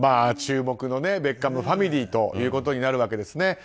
注目のベッカムファミリーということになるわけですね。